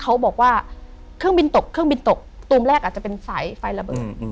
เขาบอกว่าเครื่องบินตกเครื่องบินตกตูมแรกอาจจะเป็นสายไฟระเบิด